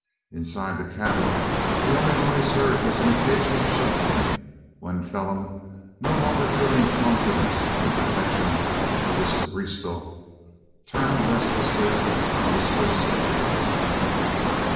Inside the cabin the only noise heard was an occasional shuffling, when Phelim, no longer feeling confidence in the protection of his cabriesto, turned restlessly on his horseskin.